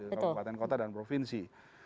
kabupaten kota dan provinsi